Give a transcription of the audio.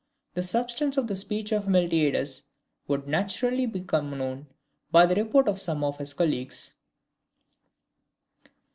The substance of the speech of Miltiades would naturally become known by the report of some of his colleagues.